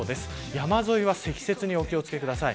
山沿いは積雪にお気を付けください。